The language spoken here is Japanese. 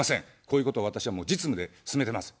こういうことを私は実務で進めてます。